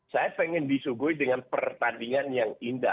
saya ingin disuguhi dengan pertandingan yang indah